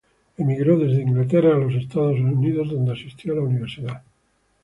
Emigró desde Inglaterra, a Estados Unidos donde asistió a la universidad.